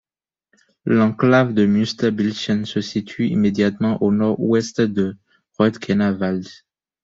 L'enclave de Münsterbildchen se situe immédiatement au nord-ouest de Roetgener Wald.